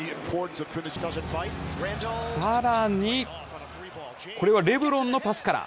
さらに、これはレブロンのパスから。